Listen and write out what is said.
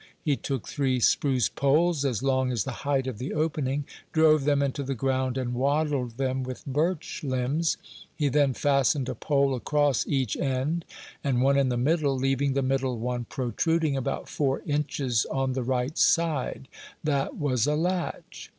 He took three spruce poles, as long as the height of the opening, drove them into the ground, and wattled them with birch limbs; he then fastened a pole across each end, and one in the middle, leaving the middle one protruding about four inches on the right side; that was a latch.